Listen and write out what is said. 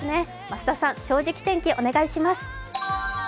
増田さん、「正直天気」お願いします。